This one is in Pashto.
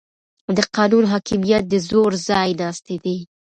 د قانون حاکمیت د زور ځای ناستی دی